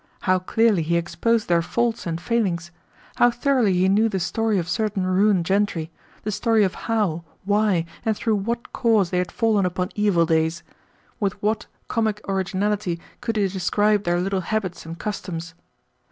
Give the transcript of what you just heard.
How clearly he exposed their faults and failings! How thoroughly he knew the story of certain ruined gentry the story of how, why, and through what cause they had fallen upon evil days! With what comic originality could he describe their little habits and customs!